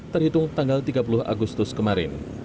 terhitung tanggal tiga puluh agustus kemarin